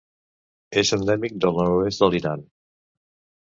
És endèmic del nord-oest de l'Iran.